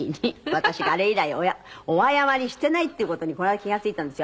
私があれ以来お謝りしてないっていう事にこの間気が付いたんですよ。